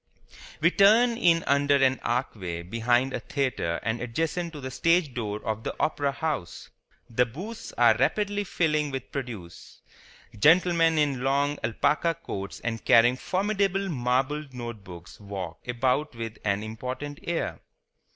We turn in under an archway behind a theatre and adjacent to the stage door of the Opera House. The booths are rapidly filling with produce. Gentlemen in long alpaca coats and carrying formidable marbled note books walk about with an important air.